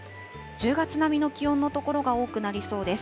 １０月並みの気温の所が多くなりそうです。